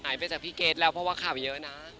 ไปจากพี่เกดแล้วเพราะว่าข่าวเยอะนะ